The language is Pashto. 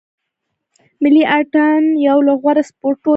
ملي اټن یو له غوره سپورټو دی.